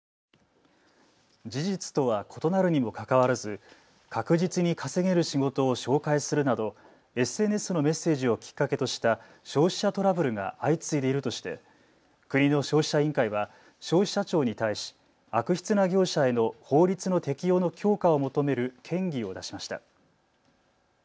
事実とは異なるにもかかわらず確実に稼げる仕事を紹介するなどＳＮＳのメッセージをきっかけとした消費者トラブルが相次いでいるとして国の消費者委員会は消費者庁に対し悪質な業者への法律の適用の強化を求める建議を出しました。